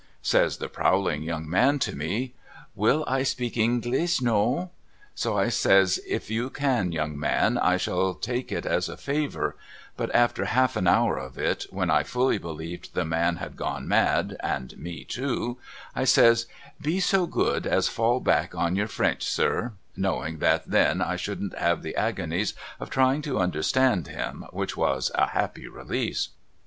Says the prowling young MRS. LIRRIPER IN PARIS 369 man to me ' Will I speak Inglis No ?' So I says ' If you can young man I shall take it as a favour,' but after half an hour of it when I fully believed the man had gone mad and me too I says ' Be so good as fall back on your French sir,' knowing that then I shouldn't have the agonies of trying to understand him, which was a happy release.